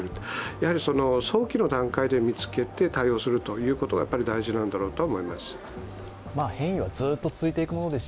やはり早期の段階で見つけて対応するということが大事なんだろうと思います。